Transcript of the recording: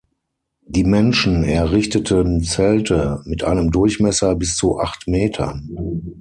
Die Menschen errichteten Zelte mit einem Durchmesser bis zu acht Metern.